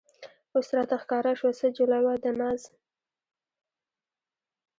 اوس راته ښکاره شوه څه جلوه د ناز